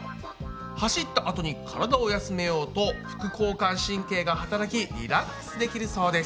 走ったあとに体を休めようと副交感神経がはたらきリラックスできるそうです。